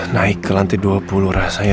naik ke lantai dua puluh rasanya